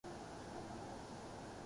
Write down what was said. فلک نے ان کو عطا کی ہے خواجگی کہ جنھیں